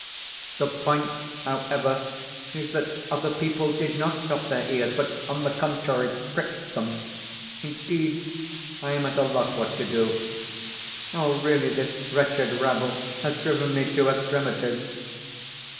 The point, however, is that other people did not stop their ears, but, on the contrary, pricked them. Indeed, I am at a loss what to do. Really this wretched rabble has driven me to extremities.